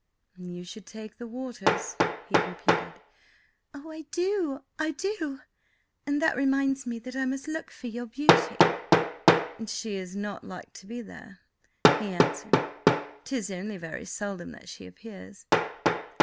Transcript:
"You should take the waters," he repeated. "Oh, I do!–I do! And that reminds me that I must look for your beauty." "She is not like to be there," he answered. "'Tis only very seldom that she appears."